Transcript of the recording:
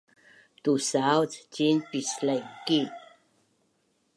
Tusauc ciin pislaingki